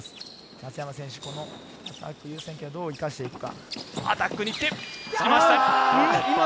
松山選手、優先権をどう生かしていくか。